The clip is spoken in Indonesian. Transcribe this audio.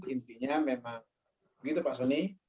intinya memang begitu pak soni